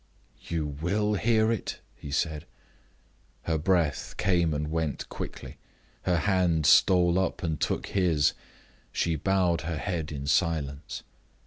"You will hear it?" he said. Her breath came and went quickly; her hand stole up and took his; she bowed her head in silence.